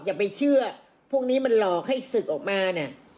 อย่าไปเชื่อพวกนี้มันหลอกให้ศึกออกมาเนี่ย